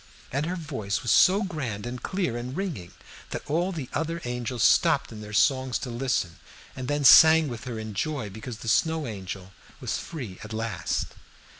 And her voice was so grand and clear and ringing, that all the other angels stopped in their songs to listen, and then sang with her in joy because the Snow Angel was free at last.